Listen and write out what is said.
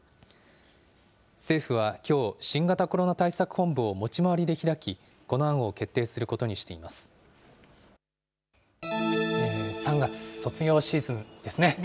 政府はきょう、新型コロナ対策本部を持ち回りで開き、この案を決定することにし３月、卒業シーズンですね。